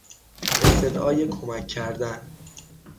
استدعای کمک کردن